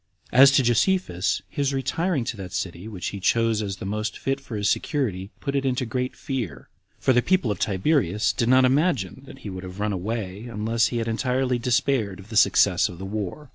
2. As to Josephus, his retiring to that city which he chose as the most fit for his security, put it into great fear; for the people of Tiberias did not imagine that he would have run away, unless he had entirely despaired of the success of the war.